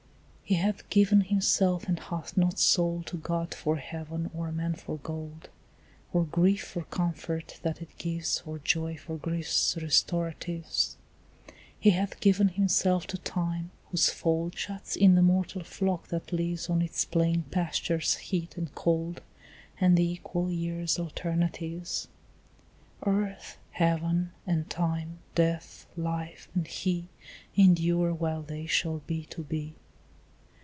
He hath given himself and hath not sold To God for heaven or man for gold, Or grief for comfort that it gives, Or joy for grief's restoratives. He hath given himself to time, whose fold Shuts in the mortal flock that lives On its plain pasture's heat and cold And the equal year's alternatives. Earth, heaven, and time, death, life, and he, Endure while they shall be to be.